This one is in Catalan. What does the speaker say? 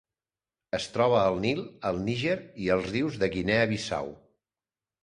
Es troba al Nil, al Níger i als rius de Guinea Bissau.